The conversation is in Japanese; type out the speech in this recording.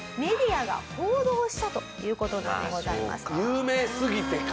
有名すぎてか。